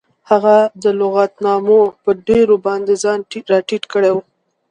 هغه د لغتنامو په ډیریو باندې ځان راټیټ کړی و